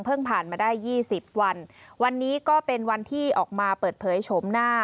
ผ่านมาได้ยี่สิบวันวันนี้ก็เป็นวันที่ออกมาเปิดเผยโฉมหน้า